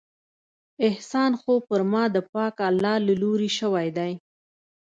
احسان خو پر ما د پاک الله له لورې شوى دى.